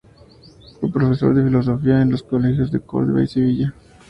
Fue profesor de filosofía en los colegios de Córdoba y Sevilla.